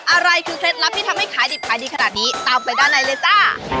อะไรคือเคล็ดลับที่ทำให้ขายดิบขายดีขนาดนี้ตามไปด้านในเลยจ้า